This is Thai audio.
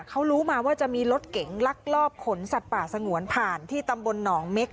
เขารู้มาว่าจะมีรถเก๋งลักลอบขนสัตว์ป่าสงวนผ่านที่ตำบลหนองเม็ก